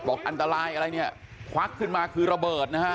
อันตรายอะไรเนี่ยควักขึ้นมาคือระเบิดนะฮะ